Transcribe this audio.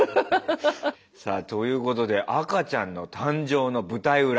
さあということで赤ちゃんの誕生の舞台裏。